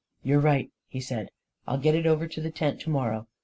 " You're right," he said. " I'll get it over to the tent to morrow.